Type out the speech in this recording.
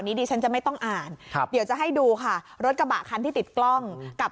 ดิฉันจะไม่ต้องอ่านครับเดี๋ยวจะให้ดูค่ะรถกระบะคันที่ติดกล้องกับ